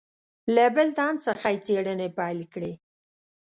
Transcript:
له بل تن څخه یې څېړنې پیل کړې.